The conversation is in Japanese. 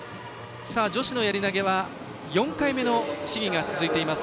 女子やり投げは４回目の試技が続いています。